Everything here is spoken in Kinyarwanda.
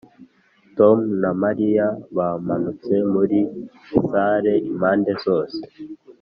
tom na mariya bamanutse muri salle, impande zose.